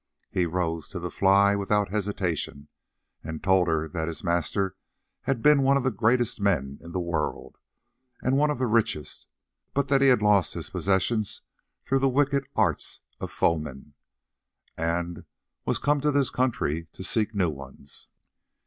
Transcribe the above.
He rose to the fly without hesitation, and told her that his master had been one of the greatest men in the world, and one of the richest, but that he lost his possessions through the wicked arts of foemen, and was come to this country to seek new ones.